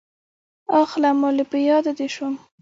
اخله مالې په ياده دې شوم.